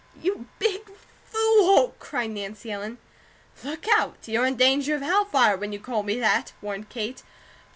"You big fool!" cried Nancy Ellen. "Look out! You're 'in danger of Hell fire,' when you call me that!" warned Kate.